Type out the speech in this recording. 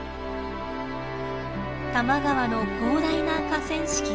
多摩川の広大な河川敷。